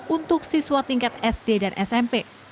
untuk siswa tingkat sd dan smp